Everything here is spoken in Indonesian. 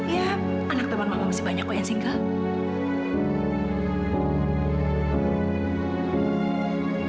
ya anak teman mama masih banyak kok yang single